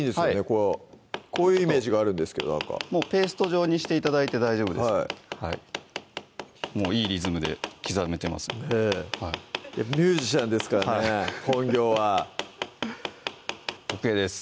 こうこういうイメージがあるんですけどなんかもうペースト状にして頂いて大丈夫ですもういいリズムで刻めてますねぇミュージシャンですからね本業はＯＫです